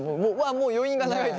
もう余韻が長いです。